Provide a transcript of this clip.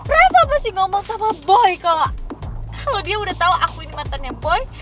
reva pasti ngomong sama boy kalo dia udah tau aku ini mantannya boy